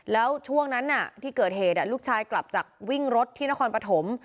แล้วช่วงนั้นที่เกิดเหตุลูกชายกลับจากวิ่งรถที่นครปฐม